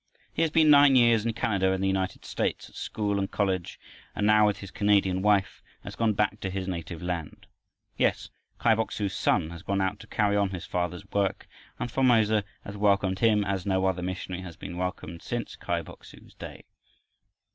He has been nine years in Canada and the United States, at school and college, and now with his Canadian wife, has gone back to his native land. Yes, Kai Bok su's son has gone out to carry on his father's work, and Formosa has welcomed him as no other missionary has been welcomed since Kai Bok su's day.